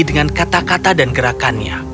dengan kata kata dan gerakannya